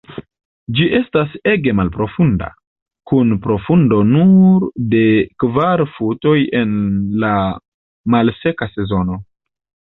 Ĝi estas ege malprofunda, kun profundo nur de kvar futoj en la malseka sezono.